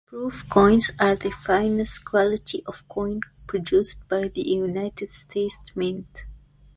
Proof Coins are the finest quality of coin produced by the United States Mint.